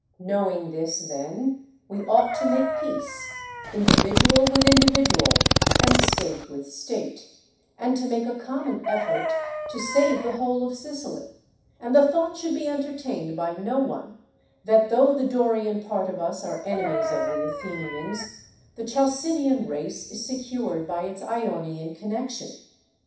Knowing this then, we ought to make peace, individual with indi vidual, and state with state, and to make a com mon effort to save the whole of Sicily; and the thought should be entertained by no one, that tho the Dorian part of us are enemies of the Athenians, the Chalcidian race is secured by its Ionian connection.